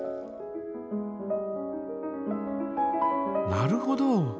なるほど。